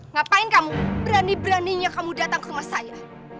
ngapain kamu berani beraninya kamu datang ke rumah saya